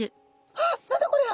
あ何だこりゃ？